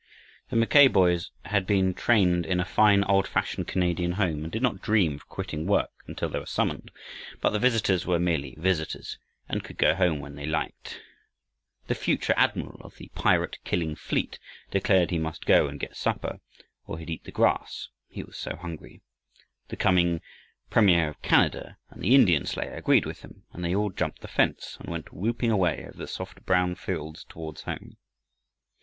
The Mackay boys had been trained in a fine old fashioned Canadian home, and did not dream of quitting work until they were summoned. But the visitors were merely visitors, and could go home when they liked. The future admiral of the pirate killing fleet declared he must go and get supper, or he'd eat the grass, he was so hungry. The coming Premier of Canada and the Indian slayer agreed with him, and they all jumped the fence, and went whooping away over the soft brown fields toward home.